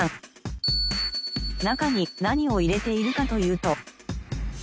中に何を入れているかというと。